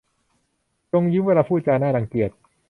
จงยิ้มเวลาพูดจาน่ารังเกียจ